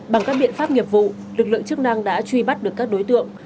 bằng các biện pháp nghiệp vụ lực lượng chức năng đã truy bắt được các đối tượng